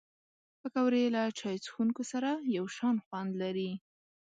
پکورې له چای څښونکو سره یو شان خوند لري